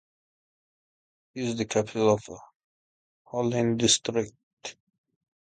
It is the capital of Hallein district.